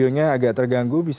nah sudah langsung koordinasi